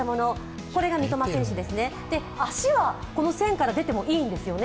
足は線から出てもいいんですよね。